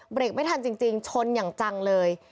เบรกไม่ทันจริงชนอย่างจังเลย